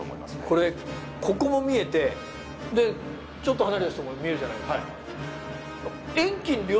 これここも見えてちょっと離れた人も見えるじゃないですか。